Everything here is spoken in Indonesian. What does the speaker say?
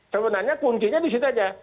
sebenarnya kuncinya di situ saja